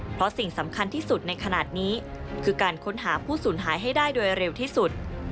เพราะสิ่งสำคัญที่สุดในขณะนี้คือการค้นหาผู้สูญหายให้ได้โดยเร็วที่สุด